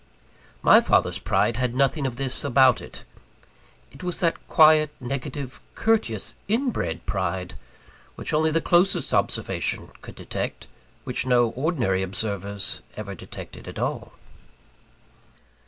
My father's pride had nothing of this about it. It was that quiet, negative, courteous, inbred pride, which only the closest observation could detect; which no ordinary observers ever detected at all.